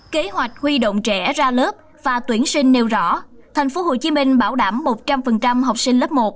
kế hoạch huy động trẻ ra lớp và tuyển sinh nêu rõ tp hcm bảo đảm một trăm linh học sinh lớp một